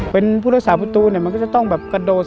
เป็นผู้รักษาประตูเนี่ยมันก็จะต้องแบบกระโดด